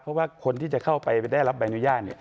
เพราะว่าคนที่จะเข้าไปได้รับใบอนุญาต